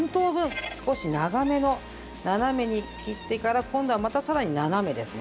少し長めの斜めに切ってから今度はまたさらに斜めですね。